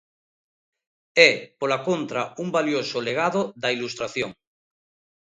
É, pola contra, un valioso legado da Ilustración.